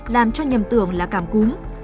làm cho nhầm tưởng là cảm cúm